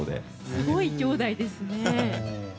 すごい兄弟ですね。